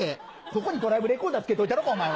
ここにドライブレコーダーつけといたろかお前は。